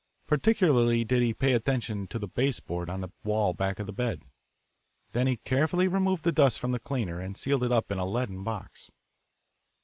Particularly did he pay attention to the base board on the wall back of the bed. Then he carefully removed the dust from the cleaner and sealed it up in a leaden box.